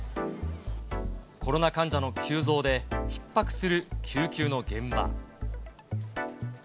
コロナ患者の急増でひっ迫する救急の現場。